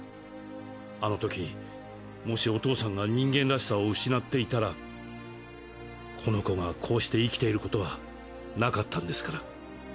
あのときもしお父さんが人間らしさを失っていたらこの子がこうして生きていることはなかったんですから。